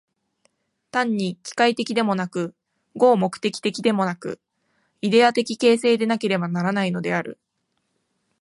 単に機械的でもなく、合目的的でもなく、イデヤ的形成でなければならないのである。